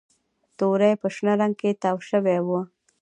توري په شنه رنګ کې تاو شوي وو